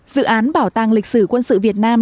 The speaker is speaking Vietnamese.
dự án bảo tàng lịch sử quân sự việt nam